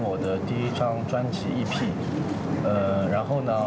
ต่อไปก็จะมีผลงาน